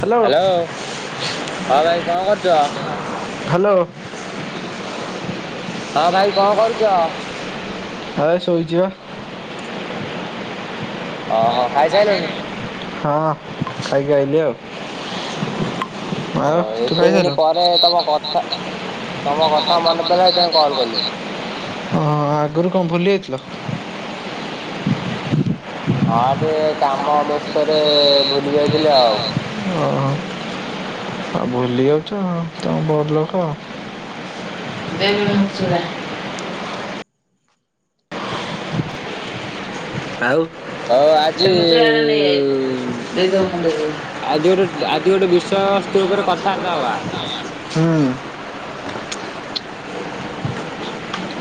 Hello hello ହଁ ଭାଇ କଣ କରୁଛ? ହାଲୋ ହଁ ଭାଇ କଣ କରୁଛ? ଆ ଏ ଶୋଇଚିବା। ଓହୋ ଖାଇ ସାରିଲଣି? ହଁ ଖାଇକି ଆଇଲିି ଆଉ। ଓ ଆଉ ତୁ ଏତେ ଦିନି ଖାଇସାଇଲୁଣୁ? ପରେ ତମ କଥା ତମ କଥା ମନେ ପଇଲା ସେଇଥି ପାଇଁ କଲ୍ କଲି ହଁ ଆଗରୁ କଣ ଭୁଲିଯାଇଥିଲ? ହଁ ଟିକେ କାମ ବ୍ୟସ୍ତରେ ଭୁଲି ଯାଇଥିଲି ଆଉ ହଁ ଆ ଭୁଲି [inaudible] ତମ ଭଦଲ କ [unintelligible] ଆଉ ଆଉ ଆଜି ସେଇ ମୁଦ୍ରା ନେଇ ଆଇଲି ଦେଇଦବୁ ଆଜି ଗୋଟେ ଆଜି ଗୋଟେ ବିଷୟବସ୍ତୁ ଉପରେ କଥାବାର୍ତ୍ତା ହବା। ହୁଁ। [inaudible]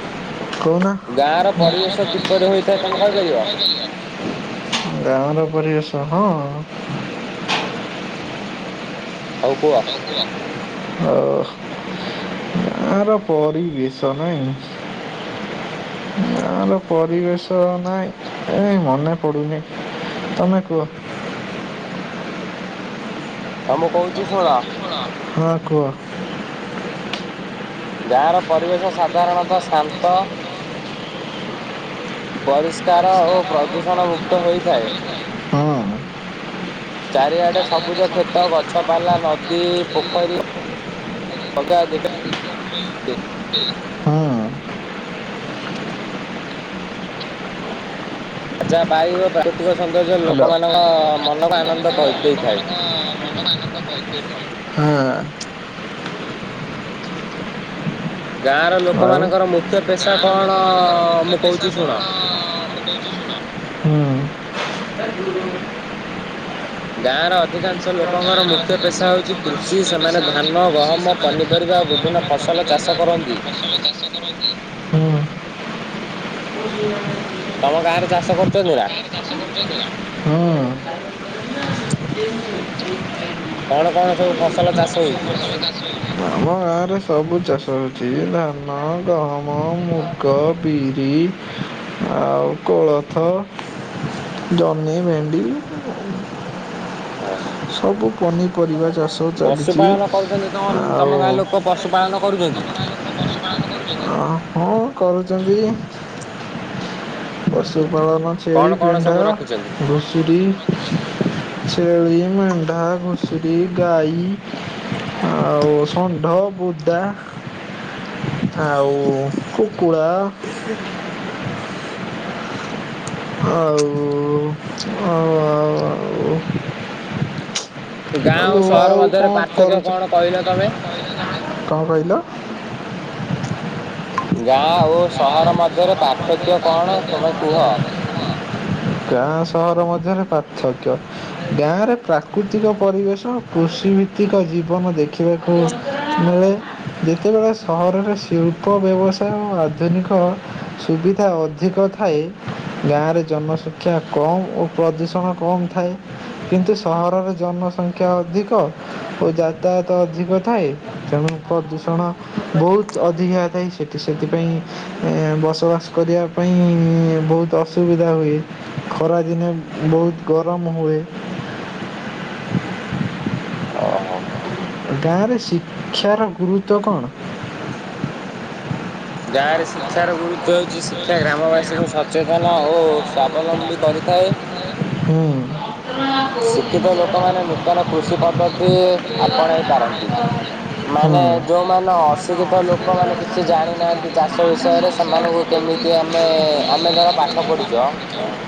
କହୁନ? ଗାଁର ପରିବେଶ କିପରି ହୋଇଥାଏ ତମେ କହିପାରିବ? [unintelligible] ଗାଁ ର ପରିବେଶ, ହଁ। ହଉ କୁହ? [unintelligible] ଗାଁର ପରିବେଶ ନାଇଁ। [unintelligible] ପରିବେଶ ତ ନାଇଁ, ଏ ମନେ ପଡୁନି ତମେ କୁହ? ହ ମୁଁ କହୁଛି ଶୁଣ। ହଁ କୁହ? ଗାଁ ର ପରିବେଶ ସାଧାରଣତଃ ଶାନ୍ତ। ପରିଷ୍କାର ଓ ପ୍ରଦୂଷଣ ମୁକ୍ତ ହୋଇଥାଏ। ଚାରିଆଡେ ସବୁଜ କ୍ଷେତ ଗଛ ପାଲା ନଦୀ ପୋଖରୀ [unintelligible] ଦେଖିବାକୁ ମିଳେ। ହଁ। ଯାହା ବାୟୁ ଓ ପ୍ରାକୃତିକ ସୌନ୍ଦର୍ଯ୍ୟ ହ୍ୟାଲୋ। ଲୋକମାନଙ୍କ ମନକୁ ଆନନ୍ଦ କରି ଦେଇଥାଏ। [unintelligible] ହଁ। ଗାଁ ର ଆଉ। ଲୋକମାନଙ୍କର ମୁଖ୍ୟ ପେସା କଣ? ମୁଁ କହୁଛି ଶୁଣ। [unintelligible] [unintelligible] ହୁଁ। [inaudible] ଗାଁର ଅଧିକାଂଶ ଲୋକଙ୍କର ମୁଖ୍ୟ ପେଶା ହଉଛି କୃଷି ସେମାନେ ଧାନ ଗହମ ପନିପରିବା ଓ ବିଭିନ୍ନ ଫସଲ ଚାଷ କରନ୍ତି। [unintelligible] ହୁଁ। ତମ ଗାଁ ରେ ଚାଷ କରୁଛନ୍ତି ନା? [unintelligible] ହଁ। କଣ କଣ ସବୁ ଫସଲ ଚାଷ ହଉଛି? [unintelligible] ନା ମ। ଗାଁରେ ସବୁ ଚାଷ ହେଉଛି। ଧାନ, ଗହମ, ମୁଗ, ବିରି ଆଉ କୋଳଥ। [unintelligible] ହଁ। ସବୁ ପନିପରିବା ଚାଷ ଚାଲିଛି ପଶୁପାଳନ କରୁଛନ୍ତି ତମ ତମ ଗାଁ ଲୋକ ପଶୁପାଳନ କରୁଛନ୍ତି? [unintelligible] ଅ ହଁ କରୁଛନ୍ତି। ପଶୁପାଳନ କଣ ଛେଳି, କଣ ମେଣ୍ଢା, ସବୁ ରଖିଛନ୍ତି? ଘୁଷୁରୀ। [inaudible] ଛେଳି, ମେଣ୍ଢା, ଘୁଷୁରୀ, ଗାଈ। ଆଉ ଷଣ୍ଢ। ବୁଦା ଆଉ କୁକୁଡ଼ା। [unintelligible] ହଉ। [unintelligible] ଗାଁ ଓ ସହର ମଧ୍ୟରେ [unintelligible] ପାର୍ଥକ୍ୟ କଣ କହିଲ ତମେ? କହିଲ? ଗାଁ ଓ ସହର ମଧ୍ୟରେ ପାର୍ଥକ୍ୟ କଣ ତମେ କୁହ? ଗାଁ, ସହର ମଧ୍ୟରେ ପାର୍ଥକ୍ୟ ଗାଁ ରେ ପ୍ରାକୃତିକ ପରିବେଶ। କୃଷିଭିତ୍ତିକ ଜୀବନ ଦେଖିବାକୁ ମିଳେ। ଯେତେବେଳେ ସହରରେ ଶିଳ୍ପ, ବ୍ୟବସାୟ, ଆଧୁନିକ ସୁବିଧା ଅଧିକ ଥାଏ ଗାଁ ରେ ଜନସଂଖ୍ୟା କମ ଓ ପ୍ରଦୂଷଣ କମ ଥାଏ। କିନ୍ତୁ ସହରରେ ଜନସଂଖ୍ୟା ଅଧିକ ଓ ଯାତାୟାତ ଅଧିକ ଥାଏ। ତେଣୁ ପ୍ରଦୂଷଣ ବହୁତ ଅଧିକା ହେଇଥାଏ ସେଠି ସେଥିପାଇଁ ଇଁ ବସବାସ। କରିବା ପାଇଁ ବହୁତ ଅସୁବିଧା ହୁଏ। ଖରାଦିନେ ବହୁତ ଗରମ ହୁଏ। ଓହୋ। ଗାଁରେ ଶିକ୍ଷାର ଗୁରୁତ୍ଵ କଣ? ଗାଁ ରେ ଆଉ ଶିକ୍ଷାର ଗୁରୁତ୍ଵ ହଉଛି ଶିକ୍ଷା ଗ୍ରାମବାସୀଙ୍କୁ ସ ଚେତନ ଓ ସ୍ଵାବଲମ୍ବୀ କରିଥାଏ। ହୁଁ। ଶିକ୍ଷିତ ଲୋକମାନେ ନୂତନ କୃଷି ପଦ୍ଧତି ଆପଣାଇ ପାରନ୍ତି। ମାନେ ଯୋଉମାନେ ଅଶିକ୍ଷିତ ଲୋକମାନେ କିଛି ଜାଣି ନାହାନ୍ତି ଚାଷ ବିଷୟରେ ସେମାନଙ୍କୁ କେମିତି ଆମେ ଆମେ ଧର ପାଠ ପଢିଛ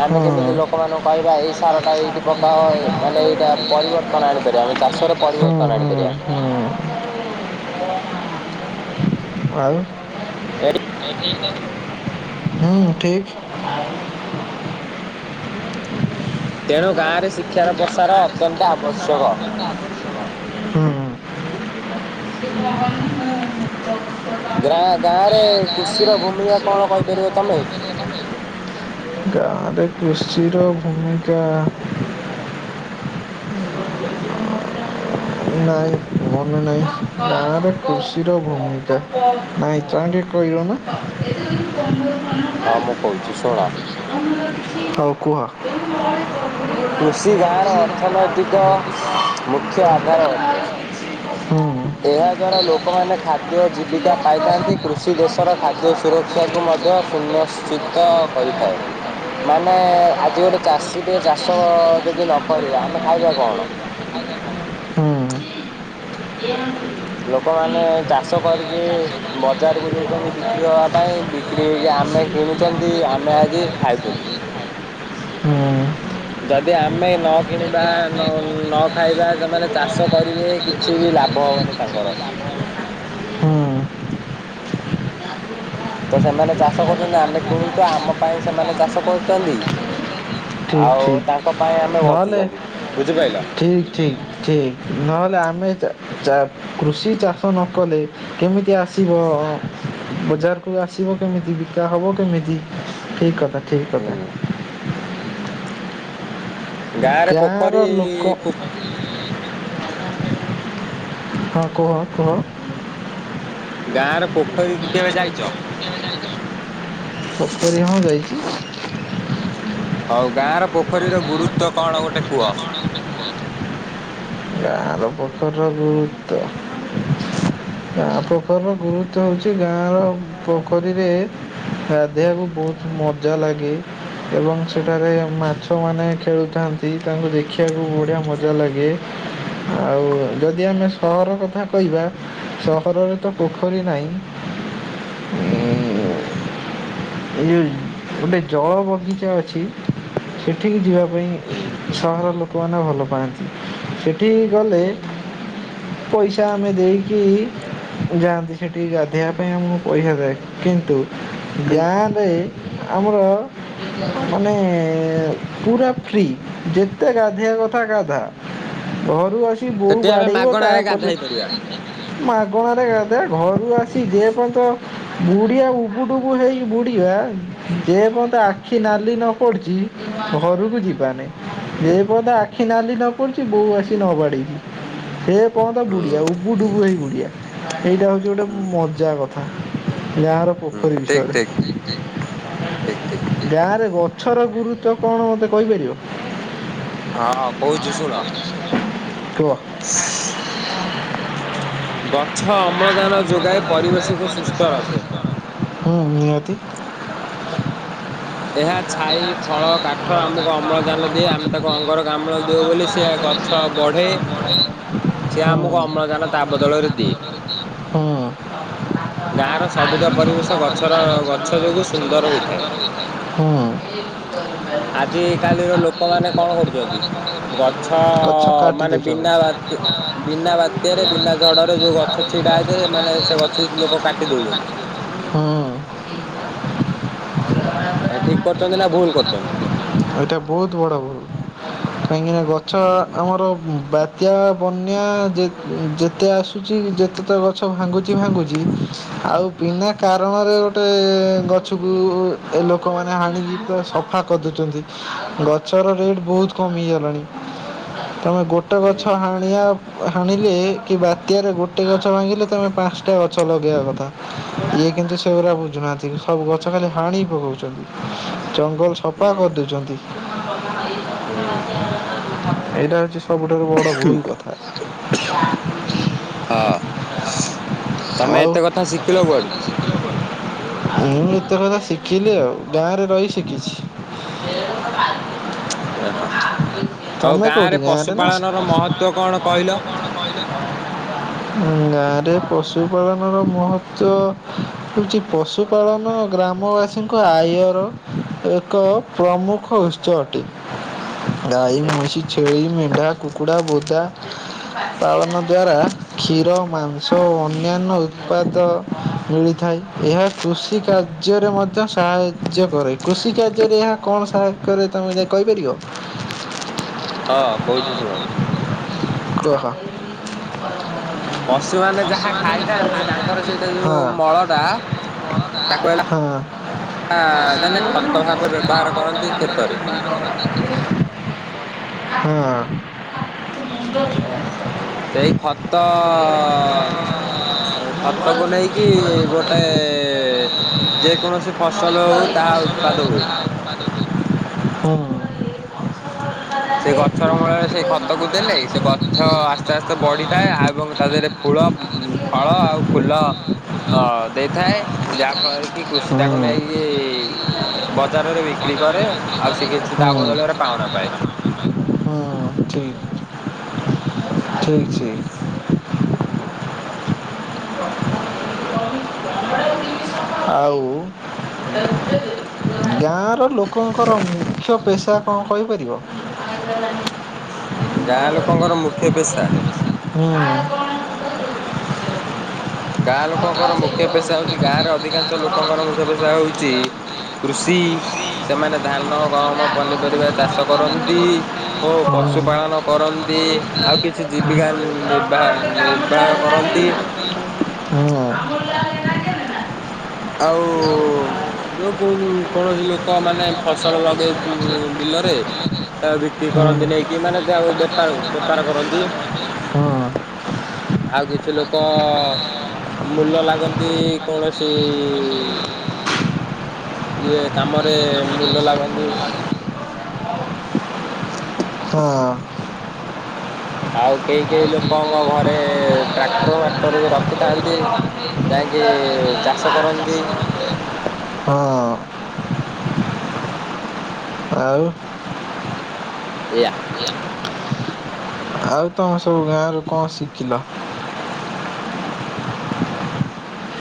ଆମେ କେମିତି ଲୋକମାନ କହିବା ଏଇ ସାରଟା ଏଇଠି ପ ଅ ଏ ମାନେ ଏଇଟା ପରିବର୍ତ୍ତନ ଆଣିପାରିବା ଆମେ ଚାଷରେ ପରିବର୍ତ୍ତନ ଆଣିପାରିବା। ହୁଁ ଆଉ। ଏ ହୁଁ ଠିକ। [inaudible] ତେଣୁ ଗାଁରେ ଶିକ୍ଷାର ତେଣୁ ପ୍ରସାର ଅତ୍ୟନ୍ତ ଆବଶ୍ୟକ। ହୁଁ। ଗ୍ରା ଗାଁ ରେ ଗାଁରେ କୃଷିର ଭୂମିକା କୃଷିର କଣ ଭୂମିକା କହିପାରିବ କଣ ତମେ? କହିପାରିବ ତମେ? ଗାଁରେ କୃଷିର ଭୂମିକା। ନାଇଁ ମନେ ନାହିଁ ଗାଁରେ କୃଷିର ଭୂମିକା ନାଇଁ [unintelligible] ଏ ହଁ ମୁଁ କହୁଛି ଶୁଣ। ହଉ କୁହ। ଅର୍ଥନୈତିକ କୃଷି ଗାଁର ମୁଖ୍ୟ ଆଧାର। ଅର୍ଥନୈତିକ ମୁଖ୍ୟ ଆଧାର ଅଟେ। ହୁଁ। ଏହା ଦ୍ଵାରା ଲୋକମାନେ ଖାଦ୍ୟ ହୁଁ। ଜୀବିକା ହୁଁ। ପାଇଥାନ୍ତି। କୃଷି ଦେଶର ଖାଦ୍ୟ ସୁର କ୍ଷାକୁ ମଧ୍ୟ ସୁନଶ୍ଚିତ କରିଥାଏ। ମାନେ ଆଜି ଗୋଟେ ଚାଷୀ ଟେ ଚାଷ ଯଦି ନ କରିବ। ଆମେ ଖାଇବା କଣ? ହଜ ହ ହୁଁ। ଲୋକମାନେ ଚାଷ କରିକି। ବଜାରକୁ ଦଉଛନ୍ତି ବିକ୍ରି ହବା ପାଇଁ ବିକ୍ରି ହେଇକି ଆମେ କିଣୁଛନ୍ତି ଆମେ ଆଜି ଖାଉଛନ୍ତି। ହୁଁ। ଯଦି ଆମେ ନ କିଣିବା ନ ନ ଖାଇବା ସେମାନେ। ଚାଷ କରିବେ କିଛି ବି ଲାଭ ହବନି ତାଙ୍କର। ହୁଁ। ତ ସେମାନେ ଚାଷ କରୁଛନ୍ତି ଆମେ କିଣୁଛୁ ଆମ ପାଇଁ ସେମାନେ ଚାଷ କରୁଛନ୍ତି। ଠିକ୍ ଆଉ ଠିକ୍। ତାଙ୍କ ପାଇଁ ଆମେ ବଞ୍ଚୁଛନ୍ତି ବୁଝିପାଇଲ। ଠିକ ଠିକ ନହେଲେ ଆମେ ଚା କୃଷି ଚାଷ ନ କଲେ କେମିତି ଆସିବ ବଜାରକୁ ଆସିବ କେମିତି ବିକା ହବ କେମିତି ଠିକ କଥା ଠିକ କଥା। ହୁଁ ଗାଁରେ ଗାଁର ପୋଖରୀ ଲୋକ ପୁ ହଁ କୁହ କୁହ? ଗାଁ ର ପୋଖରୀ କେବେ ଯାଇଛ? ପୋଖରୀ ହଁ ଯାଇଛି। ହଉ ଗାଁ ର ପୋଖରୀର ଗୁରୁତ୍ୱ କଣ ଗୋଟେ କୁହ? ଗାଁର ପୋଖରିର ଗୁରୁତ୍ୱ ଗାଁ ପୋଖରୀର ଗୁରୁତ୍ୱ ହେଉଛି ଗାଁର ପୋଖରୀରେ ଗାଧେଇବାକୁ ବହୁତ ମଜା ଲାଗେ। ଏବଂ ସେଠାରେ ମାଛମାନେ ଖେଳୁଥାନ୍ତି ତାଙ୍କୁ ଦେଖିବାକୁ ବଢ଼ିଆ ମଜା ଲାଗେ। ଆଉ ଯଦି ଆମେ ସହର କଥା କହିବା ସହରରେ ତ ପୋଖରୀ ନାହିଁ। ଏଇ ଗୋଟେ ଜଳ ବଗିଚା ଅଛି ସେଠିକି ଯିବା ପାଇଁ ହୁଁ ସହରର ଲୋକମାନେ ଭଲ ପାଆନ୍ତି ସେଠି କି ଗଲେ ହୁଁ ପଇସା ଆମେ ଦେଇକି ଯାଆନ୍ତି ସେଠି ଗାଧୋଇବା ପାଇଁ ଆମକୁ ପଇସା ଦେଏ କିନ୍ତୁ କି ଗାଁ ରେ ଆମର ମାନେ ପୁରା ଫ୍ରି ଯେ କେତେ ଗାଧିଆ କଥା ଗାଧା ଘରୁ ଆସି ବୋଉ ସେଠି ଆମେ ବାଡେଇବ ମାଗଣାରେ ତାପରେ ଗାଧେଇ ପାରିବା। ମାଗଣାରେ ଗାଧେଇବା ଘରୁ ଆସି ଯେ ପର୍ଯ୍ୟନ୍ତ ବୁଡିଆ ଉବୁଟୁବୁ ହେଇ ବୁଡିବା ଯେ ପର୍ଯ୍ୟନ୍ତ ଆଖି ନାଲି ନ ପଡିୁଛି ଘରକୁ ଯିବାନି। ଯେ ପଦ ଆଖି ନାଲି ନ ପଡ଼ିଛି ବୋଉ ଆସି ନବାଡେଇଛି ସେ ସେ ପଯ୍ୟନ୍ତ ହୁଁ ବୁଡିଆ ଉବୁଡୁବୁ ହେଇ ବୁଡିଆ। ଏଇଟା ହଉଛି ଗୋଟେ ମଜା କଥା ଗାଁ ର ହୁଁ ପୋଖରୀ ବିଷୟରେ। ଠିକ୍ ଠିକ। ଗାଁରେ ଗଛର ଗୁରୁତ୍ୱ କଣ ମୋତେ କହିପାରିବ? ହଁ କହୁଛୁ ଶୁଣ? କୁହ ଗଛ ଅମ୍ଳଜାନ ଯୋଗାଇ ପରିବେଶକୁ ସୁସ୍ଥ ରଖେ। ହୁଁ ନିହାତୀ। ଏହା ପ୍ରତିହା ଛାଇ ଫଳ ଘ କାଠ ଡାକ୍ତର ଆମକୁ ଆ ଅମ୍ଳଜାନ ଗର୍ ଦିଏ ଆମେ ଜି ତାକୁ ଆ ଅଙ୍ଗରକାମ୍ଳ ଦରକାର ଦେଉ ବୋଲି ହେ ସେ ରହିଛି ଗଛ [unintelligible] ବଢେ ଆଛ ବେ [unintelligible] ସିଏ ଆମକୁ ଅମ୍ଳଜାନ ତା ବଦଳରେ ଦିଏ। ଗାଁର ସବୁଜ ପରିବେଶ ଗଛର ଗଛ ଯୋଗୁଁ ସୁନ୍ଦର ହୋଇଥାଏ। ହଁ। ଆଜି କାଲିର ଆଜି କାଲି ଲୋକମାନୋନ କଣ ଲୋକମାନେ କରୁଛନ୍ତି? କଣ ଗଛ କରୁଛନ୍ତି ଗଛ କାଟି ମାନେ ଦଉଛନ୍ତି। ବିନା ମାନେ ବାତ ବିନା ବିନା ବାତ୍ୟରେ ବିନା ବାଧ୍ୟରେ ଝଡରେ ବିନା ଯୋଉ ଗଛ କାରଣରେ ଯୋଉ ଛିଡା ହେଇଥିବ ସେମାନେ ହେଇଥାଏ ସେ ମାନେ ଗଛ ଲୋକ ଗଛକୁ କାଟି ଦଉଛନ୍ତି। ହଁ। ହୁଁ ଆ ଠିକ କରୁଛନ୍ତି ନା ଭୁଲ କରୁଛନ୍ତି? ଏଇଟା ବହୁତ ବଡ଼ ଭୁଲ। କାହିଁକିନା ଗଛ ହୁଁ ଆମର ବାତ୍ୟା ବନ୍ୟା ଯେ ଯେତେ ଆସ କୁଚି ଯେତେଟା ଗଛ ଭାଙ୍ଗୁଛି ଭାଙ୍ଗୁଛି ଆଉ ବିନା କାରଣରେ ଗୋଟେ ଗଛକୁ ଲ ଲୋକମାନେ ହାଣିକି ପୁରା ସଫା କରିଦୁଉଛନ୍ତି ଗଛର ରେଟ୍ ବହୁତ କମ କମିଗଲାଣି। ତମେ ଗୋଟେ ହୁଁ ଗଛ ହାଣିବା ଅପେକ ହାଣିଲେ କି ବାତ୍ୟରେ ଗୋଟେ ଟେ ଗଛ ଭାଙ୍ଗିଲେ ତୋମେ ପାନ୍ସଟା ଗଛ ଲଗେଇବା କଥା। ଇଏ କିନ୍ତୁ ସେଗୁରା ବୁଝୁନାହାନ୍ତି କିଛି। ସବୁ ଗଛ ଖାଲି ହାଣି ପକଉଚନ୍ତି ଜଙ୍ଗଲ ସଫା କରିଦଉଚନ୍ତି। ହୁଁ। ଏଇଟା ହଉଛି ସବୁଠାରୁ ବଡ ଭୁଲ କଥା। ହଁ ତୋମେ ଆଉ ଏତେ କଥା ଶିଖିଲ କୁଆଡୁ? ମୁଁ ଏତେ କଥା ଶିଖିଲି ଆଉ। ଗାଁରେ ରହି ଶିଖିଛି। ସେ ହଁ ଆଉ ତମେ ଗାଁ କୋଉଠି ରେ ଗାଁରେ ନା ପଶୁପାଳନର ମହତ୍ଵ କଣ କହିଲ? ହ ଉଁ, ଗାଁରେ ପଶୁପଳନ ମହତ୍ଵ ହେଉଛି ପଶୁପାଳନ ଗ୍ରାମବାସୀଙ୍କ ଆଇ ଏହାର ଏକ ପ୍ରମୁଖ ଉତ୍ସ ଅଟେ। ଗାଈ, ମଇଁଷି, ଛେଳି, ମେଣ୍ଢା, କୁକୁଡ଼ା, ବୋଦା ପାଳନ ଦ୍ଵାରା କ୍ଷୀର ମାଂସ ଓ ଅନ୍ୟାନ୍ୟ ଉତ୍ପାଦ ମିଳିଥାଏ, ଏହା କୃଷି କାର୍ଯ୍ୟରେ ମଧ୍ୟ ସାହାଇ ଯ୍ୟ କରେ କୃଷି କାର୍ଯ୍ୟରେ ଏହା କଣ ସହାୟ କରେ ତୋମେ ଯାଇ କହିପାରିବ? ହଁ କହୁଛି ଶୁଣ। କୁହ। ପଶୁମାନେ ପଶୁ ଯାହା ମାନେ ଯେମିତି ଖାଇଥାନ୍ତି ଖାଇବା ତାଙ୍କର ସେଇଟା ଯୋଉ ମଳଟା ହଁ। ଆ, ତାହେଲେ ଖତ ଭାବ ବ୍ୟବହାର କରନ୍ତି ଭାବରେ ଖେତରେ। ବ୍ୟବହାର ହଁ। ସେଇ ଖତ ହଁ। ଅ, ଅ, ଖତକୁ ନେଇକି ଗୋଟେ ଯେକୌଣସି ଫସଲ ହଉ ତାହା ଉତ୍ପାଦ ହୁଏ। ହଁ। ସେଇ ଗଛର ମୂଳରେ ସେଇ ଖତକୁ ଦେଲେ, ସେ ଗଛ ଆସ୍ତେ ଆସ୍ତେ ବଢିଥାଏ ଏବଂ ତା ଦେହରେ ଫୁଳ ଉଁ, ଫଳ ଆଉ ଫୁଲ ଅଁ, ଦେଇଥାଏ। ଯାହା ଫଳରେ କି କୃଷି ତାକୁ ନେଇକି ବଜାରରେ ବିକ୍ରି କରେ, ଆଉ ସେ କିଛି ତା ହଁ। ବଦଳରେ ପାଉଣା ପାଏ। ହଁ ଠିକ ଠିକ ଠିକ। ଆଉ ଗାଁର ଲୋକଙ୍କର ମୁଖ୍ୟ ପେସା କଣ କହିପାରିବ? ଗୋଟେ ଗାଁ ଲୋକଙ୍କର ମୁଖ୍ୟ ପେସା? ହୁଁ। ଗାଁ ଲୋକଙ୍କର ମୁଖ୍ୟ ପେସା ହଉଛି, ଗାଁରେ ଅଧିକାଂଶ ଲୋକଙ୍କର ମୁଖ୍ୟ ପେସା ହଉଛି। କୃଷି ସେମାନେ ଧାନ, ଗହମ, ପନିପରିବା ଚାଷ କରନ୍ତି। ଓ ପଶୁ ପାାଳନ କରନ୍ତି, ଆଉ ମାଛ କିଛି ଜୀବିକା ନିର୍ବା- କୁକୁଡ଼ା କୁକୁଡ଼ା ନିର୍ବାହ ଚାଷ କରନ୍ତି। ହୁଁ। ଆଉ ଆଉ ଯୋଉ କୋଉ କୌଣସି ଲୋକ ମାନେ ଫସଲ ଲଗେଇ ବି- ବିଲରେ, ତାରି କି କରନ୍ତି ହଁ। ନେଇକି ମାନେ ଯା ଆଉ ବେପାର ବେପାର କରନ୍ତି। ଆଉ କିଛି ଲୋକ ମୂଲ ଲାଗନ୍ତି କୌଣସି କି ଇଏ କାମରେ ମୂଲ ଲାଗନ୍ତି। ହଁ। ଆଉ କେହି କେହି ଲୋକଙ୍କ ଘରେ, ଟ୍ରାକ୍ଟର ୱାକ୍ଟର ବି ରଖିଥାନ୍ତି ଯାଇକି ଚାଷ କରନ୍ତି, ହଁ ଆଉ, ଏୟା, ଆଉ ତମେ ସବୁ ଗାଁ ରୁ କଣ ଶିଖିଲ,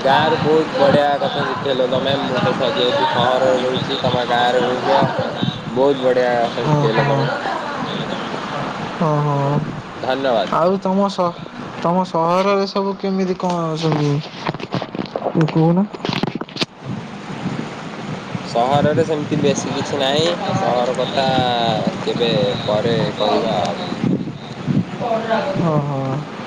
ଗାଁ ରୁ ବହୁତ୍ ବଢ଼ିଆ କଥା ଶିଖେଇଲ ତମେ ମୁଁ ତ ସ ଯେହେତୁ ସହରରେ ରହୁଛି ତମ ଗାଁ ରେ ରହୁଛ, ବହୁତ ବଢ଼ିଆ ଆଥା ଶିଖେଇଲ ତମେ, ହଁ-ହଁ, ଧନ୍ୟବାଦ୍, ତମ ସହ ତମ ସହରରେ ସବୁ କେମିତି କଣ ଅଛନ୍ତି? ତମେ କୁହନା, ସହରରେ ସେମିତି ବେଶୀ କିଛି ନାହିଁ, ସହର କଥା କେବେ ପରେ କହିବା ଆଉ, ହଁ-ହଁ,